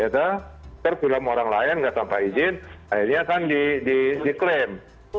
ter film orang lain nggak tanpa izin akhirnya kan diklaim